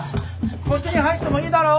こっちに入ってもいいだろう？